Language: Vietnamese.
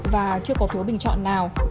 và chưa có phiếu bình chọn nào